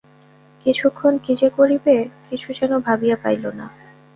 কিছুক্ষণ কী যে করিবে কিছু যেন ভাবিয়া পাইল না।